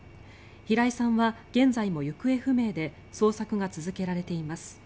平井さんは現在も行方不明で捜索が続けられています。